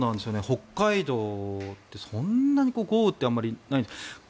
北海道ってそんなに豪雨ってあんまりない。